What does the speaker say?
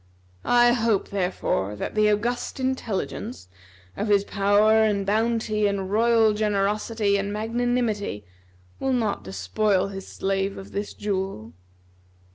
I hope, therefore, that the August Intelligence, of his power and bounty and royal generosity and magnanimity, will not despoil his slave of this jewel."